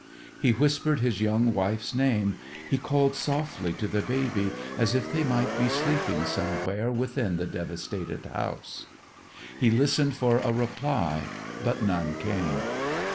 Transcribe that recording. He whispered his young wife's name, he called softly to the baby, as if they might be sleeping somewhere within the devastated house. He listened for a reply but none came.